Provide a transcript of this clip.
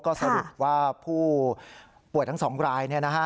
ก็สรุปว่าผู้ป่วยทั้ง๒ราย